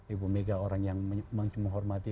ibu mega orang yang menghormati